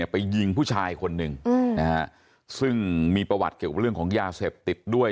ไปยิงผู้ชายคนหนึ่งซึ่งมีประวัติเกี่ยวกับเรื่องของยาเสพติดด้วย